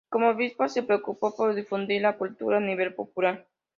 Como obispo se preocupó por difundir la cultura a nivel popular.